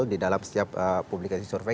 di dalam setiap publikasi survei